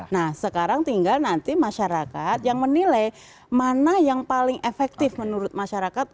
nah sekarang tinggal nanti masyarakat yang menilai mana yang paling efektif menurut masyarakat